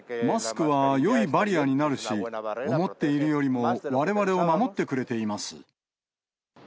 マスクはよいバリアになるし、思っているよりもわれわれを守ってくれています。